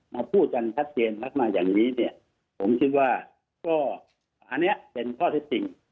มาพูดกันชัดเจนมากมายอย่างนี้เนี่ยผมคิดว่าก็อันนี้เป็นข้อเท็จจริง